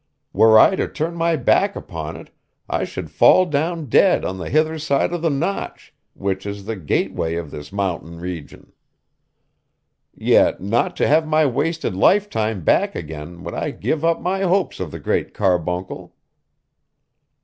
Were I to turn my back upon it I should fall down dead on the hither side of the Notch, which is the gateway of this mountain region. Yet not to have my wasted lifetime back again would I give up my hopes of the Great Carbuncle!